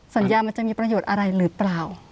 สัญญามันจะมีประโยชน์อะไรหรือเปล่า